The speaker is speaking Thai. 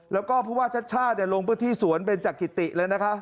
แล้วก็ผู้ว่าชาติชาติลงพื้นที่สวนเบนจักริติเลยนะคะ